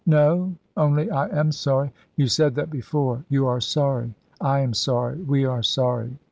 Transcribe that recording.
"No; only I am sorry " "You said that before. You are sorry, I am sorry, we are sorry.